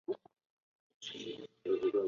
行政区划指国家对辖境进行的行政分区。